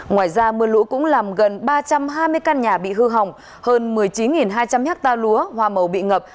ngoài ra mưa lũ cũng làm gần ba trăm hai mươi căn nhà bị hư hỏng hơn một mươi chín hai trăm linh ha lúa hoa màu bị ngập